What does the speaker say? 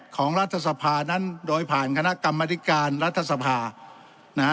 รัฐสภานั้นโดยผ่านคณะกรรมธิการรัฐสภานะฮะ